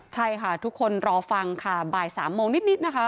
ใช่ค่ะทุกคนรอฟังค่ะบ่าย๓โมงนิดนะคะ